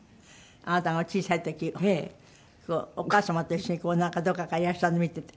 あなたが小さい時お母様と一緒にどこかからいらっしゃるのを見てて。